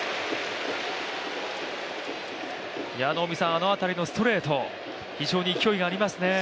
あの辺りのストレート、非常に勢いがありますね。